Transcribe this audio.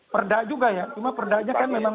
perdagang juga ya cuma perdagangnya kan memang